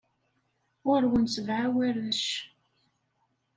Ɣur-wen sebɛa warrac.